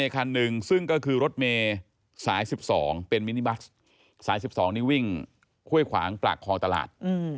ของสาย๑๒นี่วิ่งข้วยขวางปรากคลอตลาด